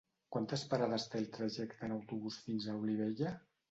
Quantes parades té el trajecte en autobús fins a Olivella?